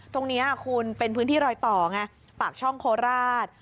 ตรงนี้คุณเป็นพื้นที่รอยต่อไงปากช่องโคราช